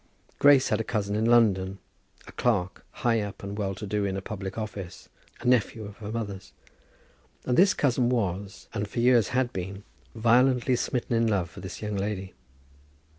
Grace had a cousin in London, a clerk high up and well to do in a public office, a nephew of her mother's, and this cousin was, and for years had been, violently smitten in love for this young lady.